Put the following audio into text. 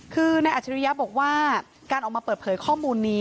คือนายอัจฉริยะบอกว่าการออกมาเปิดเผยข้อมูลนี้